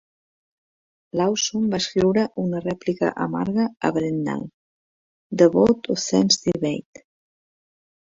Lawson va escriure una rèplica amarga a Brentnall: "The Vote of Thanks Debate".